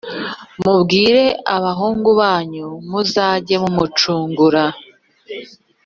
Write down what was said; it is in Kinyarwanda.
mubwire abahungu banyu muzajye mumucungura